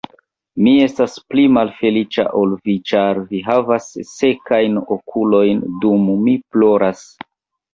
Mi estas pli malfeliĉa ol vi, ĉar vi havas sekajn okulojn, dum mi ploras.